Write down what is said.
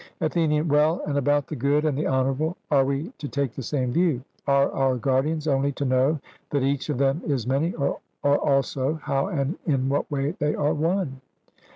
ATHENIAN: Well, and about the good and the honourable, are we to take the same view? Are our guardians only to know that each of them is many, or also how and in what way they are one?